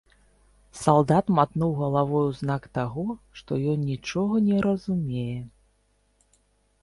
Салдат матнуў галавой у знак таго, што ён нічога не разумее.